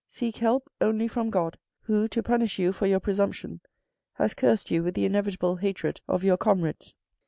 Seek help only from God, who, to punish you for your presumption, has cursed you with the inevitable hatred of your comrades.